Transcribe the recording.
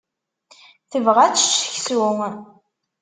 Tebɣa ad tečč seksu.